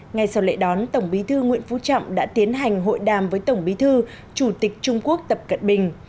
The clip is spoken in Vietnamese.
ngay sau lễ đón tổng bí thư nguyễn phú trọng đã tiến hành hội đàm với tổng bí thư chủ tịch trung quốc tập cận bình